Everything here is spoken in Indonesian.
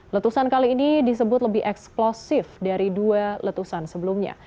letusan kali ini disebut lebih eksplosif dari dua letusan sebelumnya